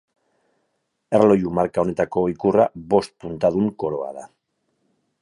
Erloju marka honetako ikurra bost puntadun koroa da.